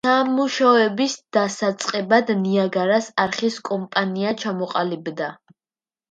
სამუშაოების დასაწყებად ნიაგარას არხის კომპანია ჩამოყალიბდა.